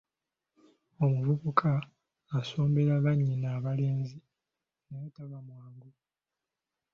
Omuvubuka asombera bannyina abalenzi naye taba mwangu.